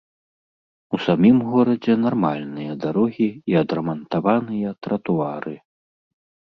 У самім горадзе нармальныя дарогі і адрамантаваныя тратуары.